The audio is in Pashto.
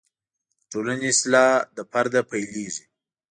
د ټولنې اصلاح له فرده پیلېږي.